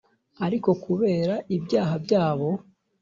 ariko kubera ibyaha byabo